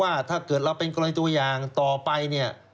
ถ้าเกิดเราเป็นกรณีตัวอย่างต่อไปเนี่ย